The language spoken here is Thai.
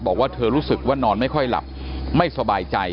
บอกว่าเธอรู้สึกว่านอนไม่ค่อยหลับไม่สบายใจ